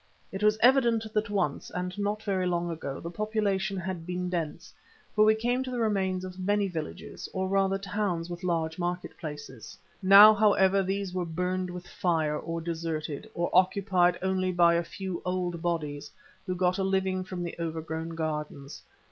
It was evident that once, and not very long ago, the population had been dense, for we came to the remains of many villages, or rather towns with large market places. Now, however, these were burned with fire, or deserted, or occupied only by a few old bodies who got a living from the overgrown gardens.